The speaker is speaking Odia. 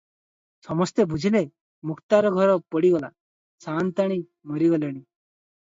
ସମସ୍ତେ ବୁଝିଲେ, ମୁକ୍ତାର ଘର ପୋଡ଼ିଗଲା, ସାଆନ୍ତାଣୀ ମରିଗଲେଣି ।